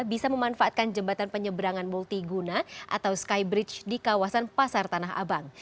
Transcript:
bisa memanfaatkan jembatan penyeberangan multiguna atau skybridge di kawasan pasar tanah abang